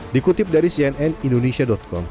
dikutip dari cnnindonesia com